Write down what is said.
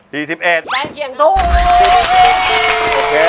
แปลกเคียงทุก